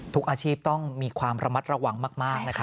ทุกอาชีพต้องมีความระมัดระวังมากนะครับ